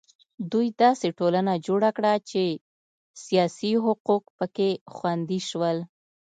دوی داسې ټولنه جوړه کړه چې سیاسي حقوق په کې خوندي شول.